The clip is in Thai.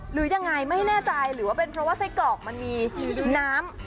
หรือยังไงไม่แน่ใจหรือว่าเป็นเพราะว่าไส้กรอกมันมีน้ำ